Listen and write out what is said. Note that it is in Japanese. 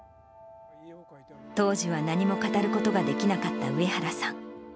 当時は何も語ることができなかった上原さん。